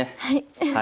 はい。